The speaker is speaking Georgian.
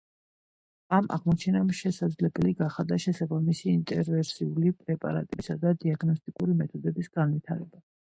ამ აღმოჩენამ შესაძლებელი გახადა შესაბამისი ანტივირუსული პრეპარატებისა და დიაგნოსტიკური მეთოდების განვითარება.